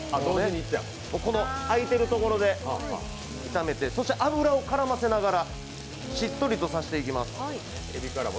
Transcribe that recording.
空いてるところで炒めて油を絡ませながらしっとりとさせていきます。